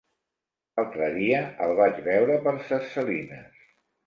L'altre dia el vaig veure per Ses Salines.